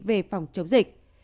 về phòng chống dịch